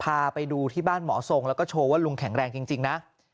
พาไปดูที่บ้านหมอทรงแล้วก็โชว์ว่าลุงแข็งแรงจริงนะ